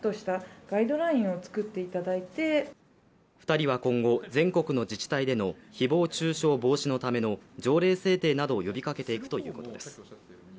２人は今後、全国の自治体での誹謗中傷防止のための条例制定などを呼びかけていくということです。